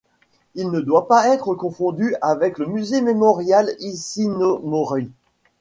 Il ne doit pas être confondu avec le musée mémorial Ishinomori.